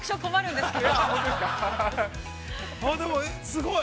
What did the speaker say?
でも、すごい。